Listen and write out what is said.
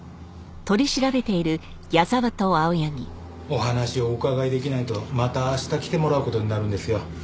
お話をお伺いできないとまた明日来てもらう事になるんですよ。